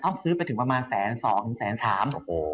ต้องจะเนินเงินกว่าไม่เหมือนกาน